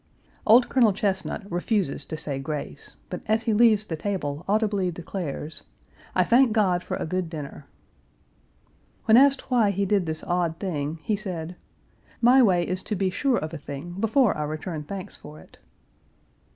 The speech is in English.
Old Colonel Chesnut refuses to say grace; but as he leaves the table audibly declares, "I thank God for a good dinner." When asked why he did this odd thing he said: "My way is to be sure of a thing before I return thanks for it."